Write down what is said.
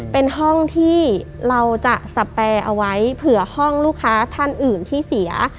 เป็นห้องที่เราจะสแปรเอาไว้เผื่อห้องลูกค้าท่านอื่นที่เสีย